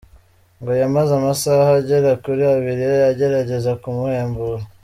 Ngo yamaze amasaha agera kuri abiri agerageza kumuhembura.